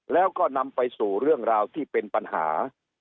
แล้วก็นำไปสู่เรื่องราวที่เป็นปัญหา